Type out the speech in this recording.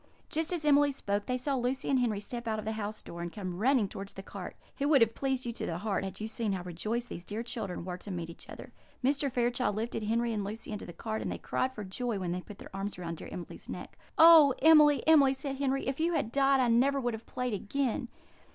Just as Emily spoke, they saw Lucy and Henry step out of the house door, and come running towards the cart. It would have pleased you to the heart had you seen how rejoiced these dear children were to meet each other. Mr. Fairchild lifted Henry and Lucy into the cart; and they cried for joy when they put their arms around dear Emily's neck. "Oh, Emily, Emily!" said Henry. "If you had died, I never would have played again."